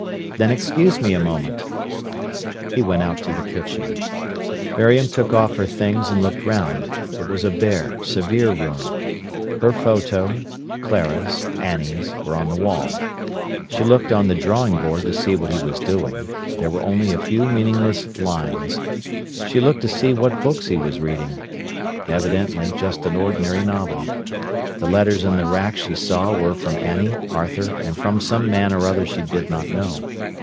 "Then excuse me a moment." He went out to the kitchen. Miriam took off her things and looked round. It was a bare, severe room. Her photo, Clara's, Annie's, were on the wall. She looked on the drawing board to see what he was doing. There were only a few meaningless lines. She looked to see what books he was reading. Evidently just an ordinary novel. The letters in the rack she saw were from Annie, Arthur, and from some man or other she did not know.